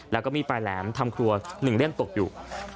แล้วก็มีปลายแหลมทำครัว๑เล่มตกอยู่